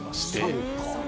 そっか！